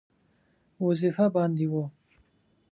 وظیفه باندې وو.